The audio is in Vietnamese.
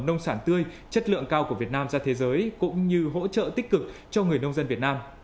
nông sản tươi chất lượng cao của việt nam ra thế giới cũng như hỗ trợ tích cực cho người nông dân việt nam